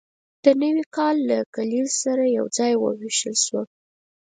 د نوي کال له کلیز سره یوځای وویشل شوه.